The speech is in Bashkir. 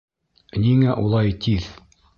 Ниңә улай тиҙ?